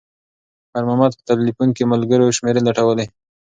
خیر محمد په تلیفون کې د ملګرو شمېرې لټولې.